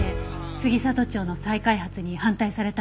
杉里町の再開発に反対されたんですか？